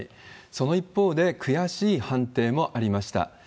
その一方で、悔しい判定もありました。